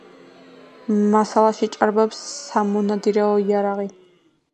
მასალაში ჭარბობს სამონადირეო იარაღი.